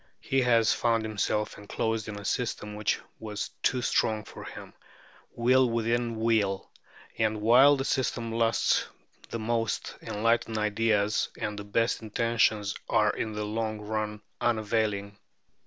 He has found himself enclosed in a system which was too strong for him, wheel within wheel; and while the system lasts the most enlightened ideas and the best intentions are in the long run unavailing."